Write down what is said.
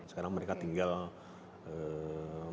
sekarang mereka tinggal menandatangani apa